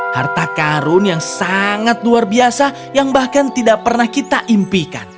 harta karun yang sangat luar biasa yang bahkan tidak pernah kita impikan